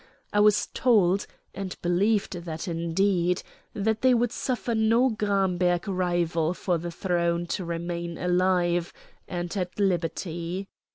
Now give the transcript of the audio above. I was told, and believed that indeed, that they would suffer no Gramberg rival for the throne to remain alive and at liberty.